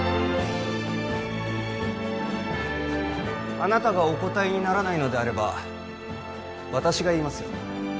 あなたがお答えにならないのであれば私が言いますよ